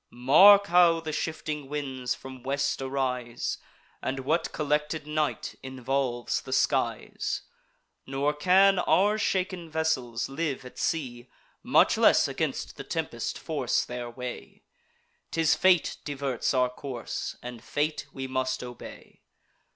Mark how the shifting winds from west arise, And what collected night involves the skies! Nor can our shaken vessels live at sea, Much less against the tempest force their way. 'Tis fate diverts our course, and fate we must obey.